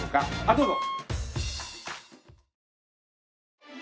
あっどうぞ。